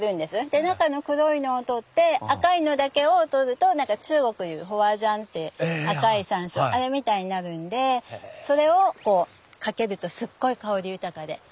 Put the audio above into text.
で中の黒いのを取って赤いのだけを取ると何か中国でいう花椒って赤い山椒あれみたいになるんでそれをかけるとすっごい香り豊かで。